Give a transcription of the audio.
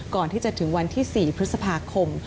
ก่อนที่จะถึงวันที่๔พฤษภาคม